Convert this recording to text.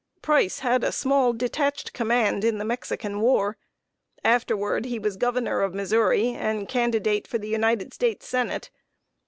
Price had a small, detached command in the Mexican war. Afterward, he was Governor of Missouri, and candidate for the United States Senate.